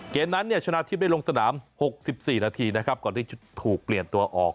เกมนั้นเนี่ยชนะทิพย์ได้ลงสนาม๖๔นาทีนะครับก่อนที่ถูกเปลี่ยนตัวออก